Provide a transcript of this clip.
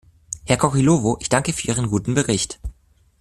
Herr Cocilovo, ich danke für Ihren guten Bericht!